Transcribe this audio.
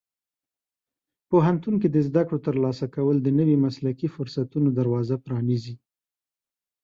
پوهنتون کې د زده کړو ترلاسه کول د نوي مسلکي فرصتونو دروازه پرانیزي.